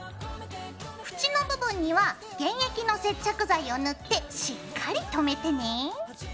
縁の部分には原液の接着剤を塗ってしっかりとめてね。